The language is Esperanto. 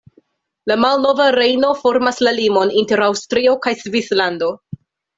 La Malnova Rejno formas la limon inter Aŭstrio kaj Svislando.